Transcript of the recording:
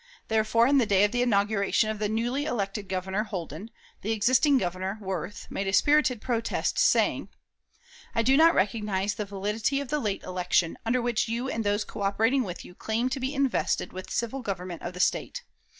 Therefore, on the day of the inauguration of the newly elected Governor (Holden) the existing Governor (Worth) made a spirited protest, saying: "I do not recognize the validity of the late election, under which you and those coöperating with you claim to be invested with the civil government of the State.